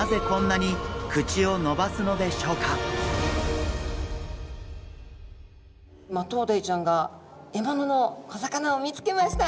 一体マトウダイちゃんが獲物の小魚を見つけました。